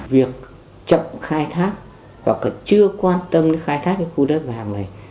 việc chậm khai thác hoặc chưa quan tâm khai thác khu đất vàng này